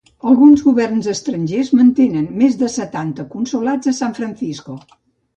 Alguns governs estrangers mantenen més de setanta consolats a San Francisco.